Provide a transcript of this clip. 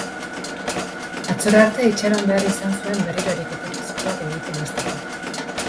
Atzora arte itxaron behar izan zuen berriro ariketa fisikoak egiten hasteko.